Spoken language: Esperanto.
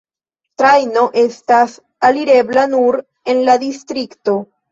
Trajno estas alirebla nur en la distrikto.